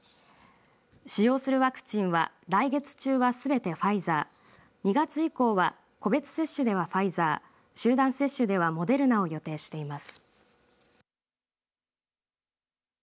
使用するワクチンは来月中はすべてファイザー２月以降は個別接種ではファイザー集団接種ではモデルナを予定しています。